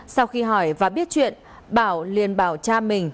sau khi hỏi và biết chuyện bảo liền bảo cha mình